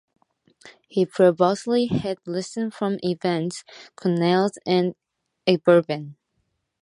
He previously had lessons from Evert Cornelis and Egbert Veen.